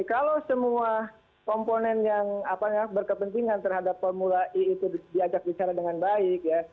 kalau semua komponen yang berkepentingan terhadap formula e itu diajak bicara dengan baik ya